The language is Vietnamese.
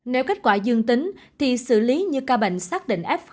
nếu kết quả dương tính thì xử lý như ca bệnh xác định f một